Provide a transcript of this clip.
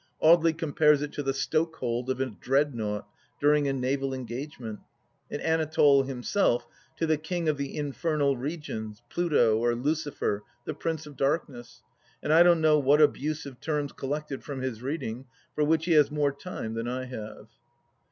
Audely compares it to the stokehold of a Dreadnought during a naval engagement, and Anatole him self to the King of the Infernal Regions, Pluto, or Lucifer, the Prince of Darkness, and I don't know what abusive terms collected from his reading, for which he has more time than I have.